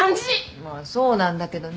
まあそうなんだけどね。